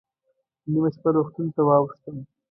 نیمه شپه روغتون ته واوښتم.